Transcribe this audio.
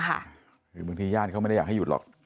คือบางทีญาติเขาไม่ได้อยากให้หยุดหรอก